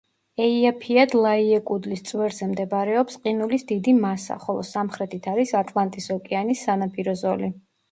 ეიაფიადლაიეკუდლის წვერზე მდებარეობს ყინულის დიდი მასა, ხოლო სამხრეთით არის ატლანტის ოკეანის სანაპირო ზოლი.